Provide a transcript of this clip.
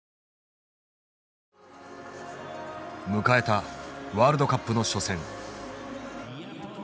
迎えたワールドカップの初戦。